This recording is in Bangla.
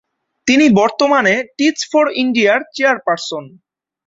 তিনি বর্তমানে টিচ ফর ইন্ডিয়ার চেয়ারপারসন।